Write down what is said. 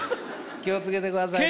気を付けてくださいね。